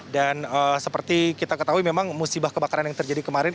dan seperti kita ketahui memang musibah kebakaran yang terjadi kemarin